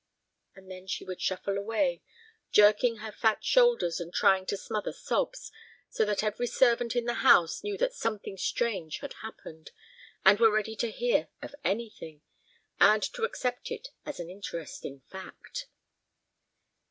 And then she would shuffle away, jerking her fat shoulders and trying to smother sobs, so that every servant in the house knew that something strange had happened, and were ready to hear of anything—and to accept it as an interesting fact.